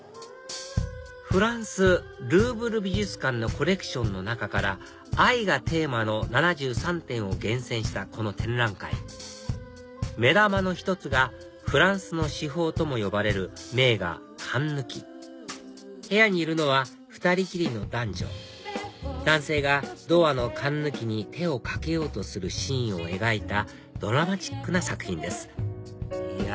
フランスルーヴル美術館のコレクションの中から「愛」がテーマの７３点を厳選したこの展覧会目玉の一つがフランスの至宝とも呼ばれる名画『かんぬき』部屋にいるのは２人きりの男女男性がドアのかんぬきに手をかけようとするシーンを描いたドラマチックな作品ですいや